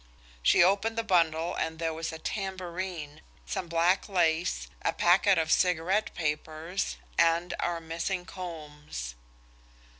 She opened the bundle, and there was a tambourine, some black lace, a packet of cigarette papers, and our missing combs.